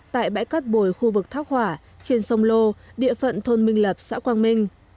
tại bãi cát bồi khu vực thác hỏa trên sông lô địa phận thôn minh lập xã quang minh